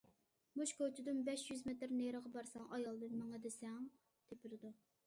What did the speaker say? مۇشۇ كوچىدىن بەش يۈز مېتىر نېرىغا بارساڭ ئايالدىن مىڭى دېسەڭ تېپىلىدۇ.